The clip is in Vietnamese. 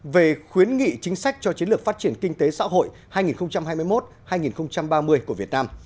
về khuyến nghị chính sách cho chiến lược phát triển kinh tế xã hội hai nghìn hai mươi một hai nghìn ba mươi của việt nam